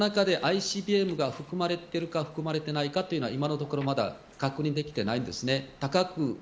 ただ、その中でＩＣＢＭが含まれているか含まれていないかは今のところまだ確認できていないんです。